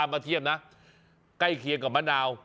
มาเทียบนะใกล้เคียงกับมะนาว